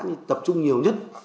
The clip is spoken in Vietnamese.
nhưng tập trung nhiều nhất